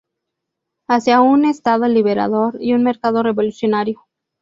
Hacia un Estado liberador y un mercado revolucionario".